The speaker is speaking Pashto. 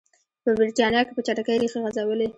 په برېټانیا کې په چټکۍ ریښې غځولې.